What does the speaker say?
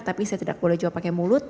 tapi saya tidak boleh jawab pakai mulut